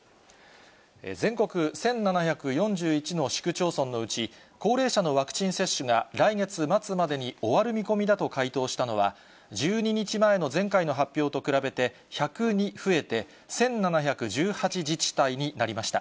全国１７４１の市区町村のうち、高齢者のワクチン接種が来月末までに終わる見込みだと回答したのは、１２日前の前回の発表と比べて１０２増えて、１７１８自治体になりました。